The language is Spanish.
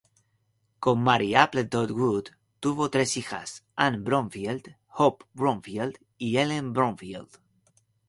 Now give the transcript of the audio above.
Con Mary Appleton Wood tuvo tres hijas, Ann Bromfield, Hope Bromfield y Ellen Bromfield.